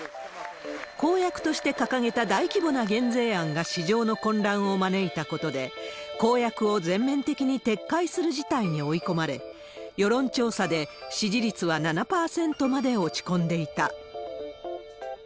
公約として掲げた大規模な減税案が市場の混乱を招いたことで、公約を全面的に撤回する事態に追い込まれ、世論調査で、支持率は７％にまで落ち込んでいた。